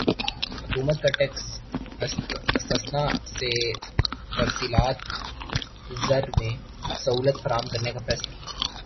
حکومت کا ٹیکس استثنی سے ترسیلات زر میں سہولت فراہم کرنے کا فیصلہ